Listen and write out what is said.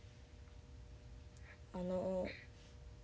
あの。